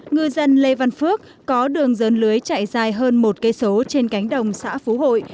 ngư dân lê văn phước có đường dơn lưới chạy dài hơn một km trên cánh đồng xã phú hội